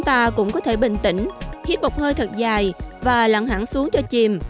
ta cũng có thể bình tĩnh hiếp một hơi thật dài và lặn hẳn xuống cho chìm